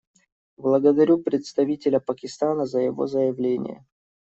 Благодарю представителя Пакистана за его заявление.